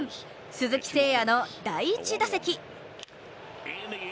鈴木誠也の第１打席。